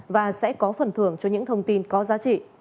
và sẽ có phần thưởng cho những thông tin có giá trị